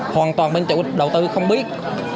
hoàn toàn bên chủ đầu tư không biết